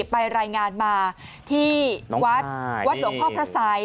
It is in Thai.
ไปรายงานมาที่วัดวัดหลวงพ่อพระสัย